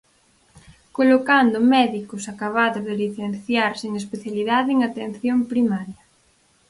Colocando médicos acabados de licenciar sen especialidade en atención primaria.